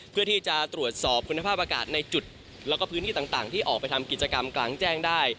เพื่อที่จะตรวจสอบคุณภาพอากาศในจุดแล้วก็พื้นที่ต่างที่ออกไปทำกิจกรรมกลางแจ้งได้